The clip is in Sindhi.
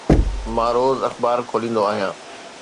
مان روز اخبار کوليندو آهيان.